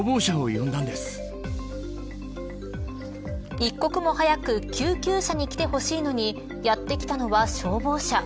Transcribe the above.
一刻も早く救急車に来てほしいのにやってきたのは消防車。